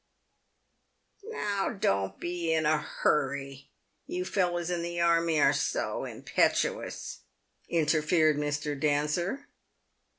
" Now, don't be in a hurry. You fellows in the army are so impetuous," interfered Mr. Dancer.